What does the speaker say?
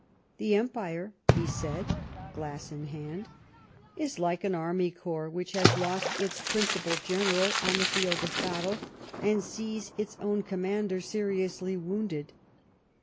"The Empire," he said, glass in hand, "is like an Army Corps which has lost its principal general on the field of battle, and sees its own commander seriously wounded.